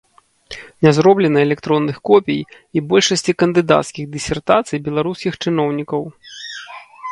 Не зроблена электронных копій і большасці кандыдацкіх дысертацый беларускіх чыноўнікаў.